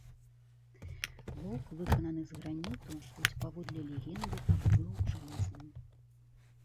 Воўк выкананы з граніту, хоць паводле легенды аб быў жалезным.